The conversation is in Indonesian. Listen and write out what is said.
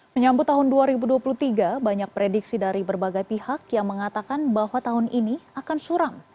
menyambut tahun dua ribu dua puluh tiga banyak prediksi dari berbagai pihak yang mengatakan bahwa tahun ini akan suram